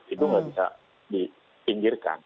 itu nggak bisa dipinggirkan